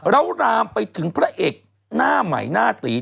แล้วรามไปถึงพระเอกหน้าใหม่หน้าตี